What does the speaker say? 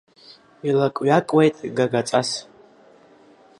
Илакҩакуеит гагаҵас.